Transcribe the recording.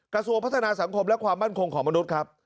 กระทรวงพัฒนาสังคมและความมั่นคงของมนุษย์ครับ